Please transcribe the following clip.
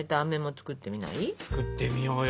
作ってみようよ